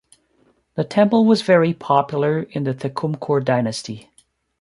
The temple was very popular in the Thekkumkur dynasty.